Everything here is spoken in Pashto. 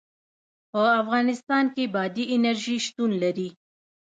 په افغانستان کې بادي انرژي شتون لري.